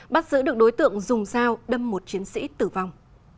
bắt giữ được đối tượng dùng dao đâm một chiến sĩ tử vong